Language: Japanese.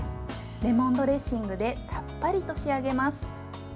レモンドレッシングでさっぱりと仕上げます。